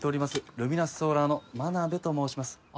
ルミナスソーラーの真鍋と申します。